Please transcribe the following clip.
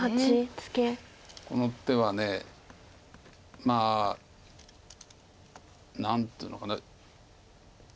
この手はまあ何というのかな。